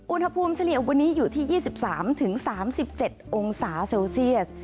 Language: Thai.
เฉลี่ยวันนี้อยู่ที่๒๓๓๗องศาเซลเซียส